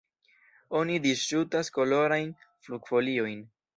Oni disŝutas kolorajn flugfoliojn.